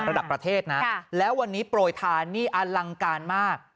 ระดับประเทศนะแล้ววันนี้โปรยทานนี่อลังการมาก